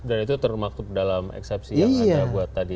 dan itu termaktub dalam eksepsi yang ada buat tadi ya